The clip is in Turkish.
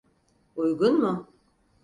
Uygun mu?